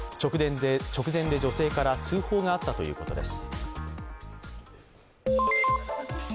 直前で女性から通報があったということです。